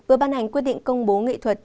vừa ban hành quyết định công bố nghệ thuật